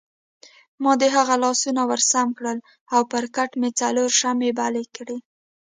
ما د هغه لاسونه ورسم کړل او پر کټ مې څلور شمعې بلې کړې.